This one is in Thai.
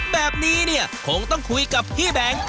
แบบนี้เนี่ยคงต้องคุยกับพี่แบงค์